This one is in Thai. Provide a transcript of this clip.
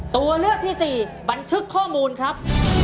ตัวเลือกที่สี่บันทึกข้อมูลครับ